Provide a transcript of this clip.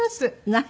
何？